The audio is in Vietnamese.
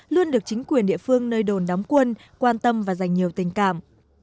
luôn được chính quyền địa phương nơi đồn đóng quân quan tâm và dành nhiều tình cảm